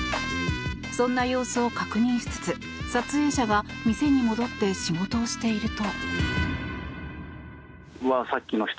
そんな様子を確認しつつ撮影者が店に戻って仕事をしていると。